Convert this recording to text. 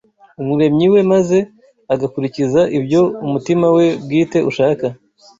Umuremyi we maze agakurikiza ibyo umutima we bwite ushaka